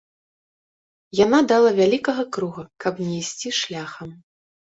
Яна дала вялікага круга, каб не ісці шляхам.